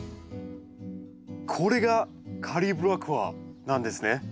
これがカリブラコアなんですね？